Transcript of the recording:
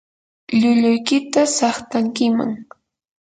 llulluykita saqtankiman.